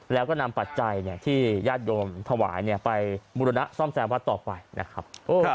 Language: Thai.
แล้วก็นำปัจจัยที่ญาติโยมถวายไปบุรณะซ่อมแซมวัดต่อไปนะครับ